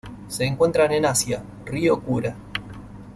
Se encuentran en Asia: río Kura.